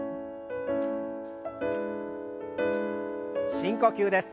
深呼吸です。